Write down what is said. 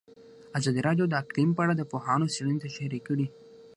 ازادي راډیو د اقلیم په اړه د پوهانو څېړنې تشریح کړې.